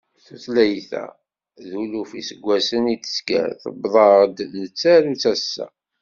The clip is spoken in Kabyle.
Tutlayt-a d luluf iseggasen i d-tezger, tewweḍ-aɣ-d nettaru-tt assa.